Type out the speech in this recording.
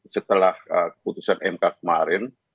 setelah putusan mk kemarin